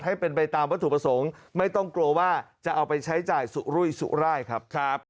ให้เป็นไปตามวัตถุประสงค์ไม่ต้องกลัวว่าจะเอาไปใช้จ่ายสุรุยสุรายครับ